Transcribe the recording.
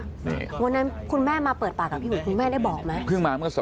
วันนั้นคุณแม่มาเปิดปากกับพี่หุยคุณแม่ได้บอกไหม